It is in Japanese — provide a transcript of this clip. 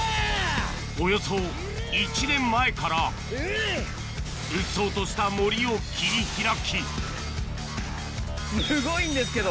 およそ１年前からうっそうとした森を切り開きすごいんですけど。